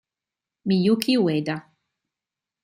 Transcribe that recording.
Miyuki Ueda